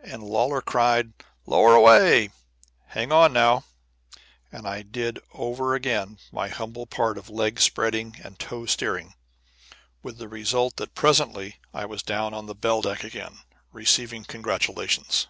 And Lawlor cried: "Lower away! Hang on, now!" And I did over again my humble part of leg spreading and toe steering, with the result that presently I was down on the "bell deck" again, receiving congratulations.